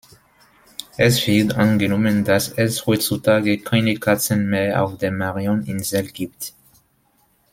Es wird angenommen, dass es heutzutage keine Katzen mehr auf der Marion-Insel gibt.